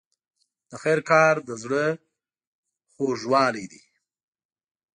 د خیر کار د زړه خوږوالی دی.